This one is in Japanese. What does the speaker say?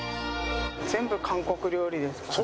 全部韓国料理ですからね。